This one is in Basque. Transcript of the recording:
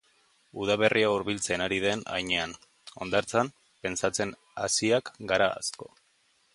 Udaberria hurbiltzen ari den heinean, hondartzan pentsatzen hasiak gara asko.